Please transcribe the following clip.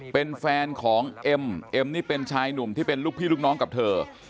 เป็นแฟนของเอ็มเอ็มนี่เป็นชายหนุ่มที่เป็นลูกพี่ลูกน้องกับเธอ